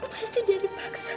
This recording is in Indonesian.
pasti dia dipaksa